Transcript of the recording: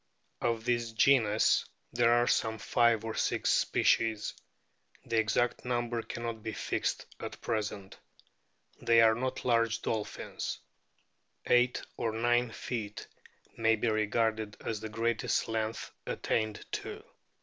Of this genus there are some five or six species ; the exact number cannot be fixed at present. They are not large dolphins. Eight or nine feet may be regarded as the greatest length attained to.